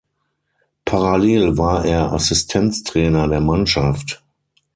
Parallel war er Assistenztrainer der Mannschaft.